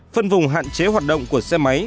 phân vùng hạn chế hoạt động của xe máy